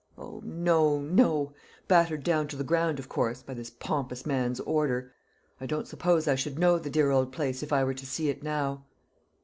"O, no, no; battered down to the ground, of course, by this pompous man's order. I don't suppose I should know the dear old place, if I were to see it now."